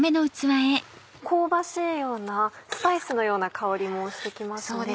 香ばしいようなスパイスのような香りもして来ますね。